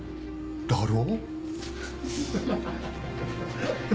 だろ？